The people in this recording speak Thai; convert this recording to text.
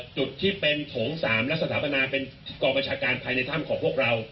จุดที่เป็นโถง๓และสถาปนาเป็นกองประชาการภายในถ้ำของพวกเรา